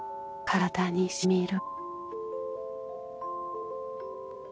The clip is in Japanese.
体にしみる